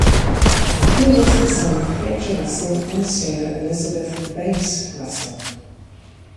He was the son of Fletcher Russell and Sarah Elizabeth (Bass) Russell.